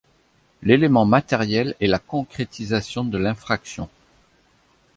L'élément matériel est la concrétisation de l'infraction.